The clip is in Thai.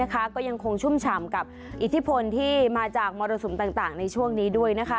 ก็ยังคงชุ่มฉ่ำกับอิทธิพลที่มาจากมรสุมต่างในช่วงนี้ด้วย